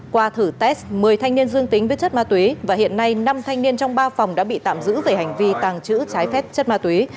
qua thử test một mươi thanh niên dương tính với chất ma túy và hiện nay năm thanh niên trong ba phòng đã bị tạm giữ về hành vi tàng trữ trái phép chất ma túy